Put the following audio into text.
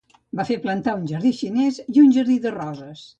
Va fer plantar un jardí xinès i un jardí de roses.